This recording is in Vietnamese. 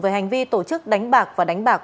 về hành vi tổ chức đánh bạc và đánh bạc